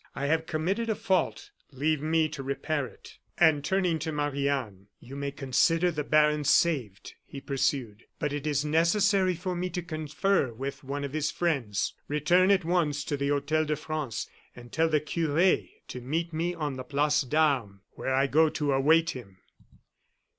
I have committed a fault, leave me to repair it." And turning to Marie Anne: "You may consider the baron saved," he pursued; "but it is necessary for me to confer with one of his friends. Return at once to the Hotel de France and tell the cure to meet me on the Place d'Armes, where I go to await him."